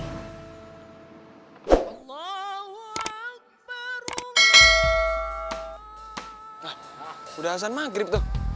hah udah asan maghrib tuh